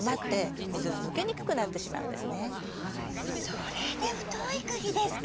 それで太いくぎですか。